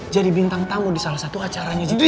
jadi bintang tamu di salah satu acaranya gtv